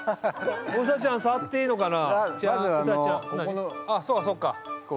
うさちゃん触っていいのかな？